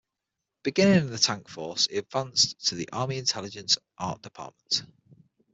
Beginning in the Tank Force, he advanced to the Army Intelligence art department.